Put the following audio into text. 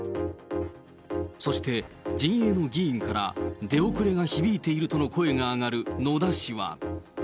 そして、陣営の議員から出遅れが響いているとの声が上がる野田氏は。